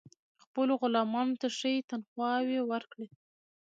خپلو غلامانو ته ښې تنخواوې ورکړي.